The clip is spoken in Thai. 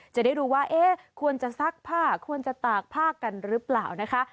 จะได้รู้ว่าควรจะซักผ้าควรจะตากผ้ากันหรือเปล่านะคะ